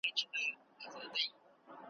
پر اصفهان دي د تورو شرنګ وو .